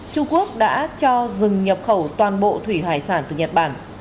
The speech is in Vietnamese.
trung quốc đã cho dừng nhập khẩu toàn bộ thủy hải sản từ nhật bản